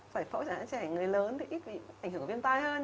giải phẫu chẳng hạn trẻ người lớn thì ít bị ảnh hưởng vào viêm tai hơn